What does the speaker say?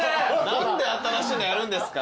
何で新しいのやるんですか。